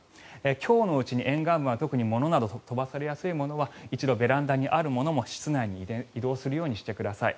今日のうちに沿岸部は特に物など飛ばされやすいものは一度ベランダにあるものも室内に移動するようにしてください。